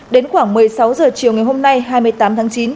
đến khoảng một mươi sáu h chiều ngày hôm nay hai mươi tám tháng chín